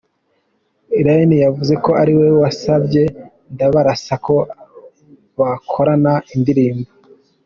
Lyn yavuze ko ari we wasabye Ndabarasa ko bakorana indirimbo.